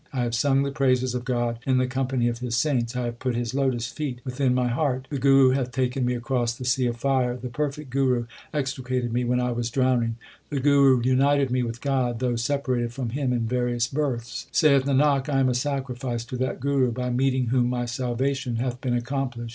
I have sung the praises of God in the company of His saints. I have put his lotus feet within my heart. The Guru hath taken me across the sea of fire : The perfect Guru extricated me when I was drowning : The Guru united me with God, though separated from Him in various births. Saith Nanak, I am a sacrifice to that Guru By meeting whom my salvation hath been accomplished.